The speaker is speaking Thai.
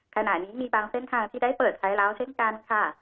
ขณะนี้มีบางเส้นทางที่ได้เปิดใช้แล้วเช่นกันค่ะ